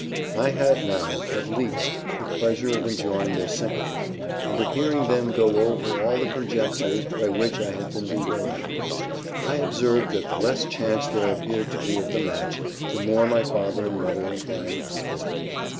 I had now, at least, the pleasure of enjoying their sympathy: and of hearing them go over all the conjectures by which I had been bewildered. I observed that the less chance there appeared to be of the match, the more my father and mother inclined towards it.